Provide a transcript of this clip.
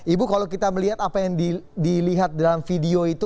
ibu kalau kita melihat apa yang dilihat dalam video itu